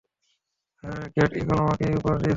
হ্যাঁ, great eagle আমাকে এই উপহার দিয়েছে।